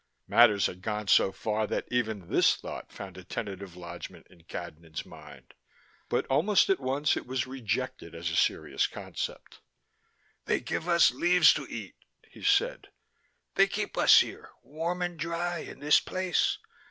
Matters had gone so far that even this thought found a tentative lodgment in Cadnan's mind. But, almost at once, it was rejected as a serious concept. "They give us leaves to eat," he said. "They keep us here, warm and dry in this place.